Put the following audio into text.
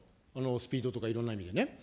スピードとかいろんな意味でね。